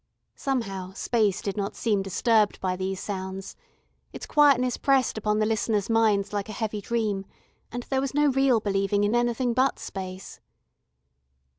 Somehow space did not seem disturbed by these sounds; its quietness pressed upon the listeners' minds like a heavy dream, and there was no real believing in anything but space.